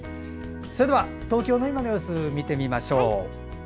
では東京の今の様子見てみましょう。